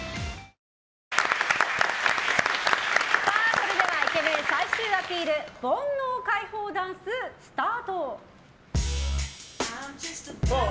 それではイケメン最終アピール煩悩解放ダンス、スタート！